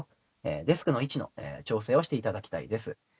「デスクの位置の調整をしていただきたいです」